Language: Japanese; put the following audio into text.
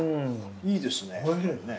いいですね。